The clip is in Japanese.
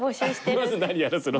まず何やらせる？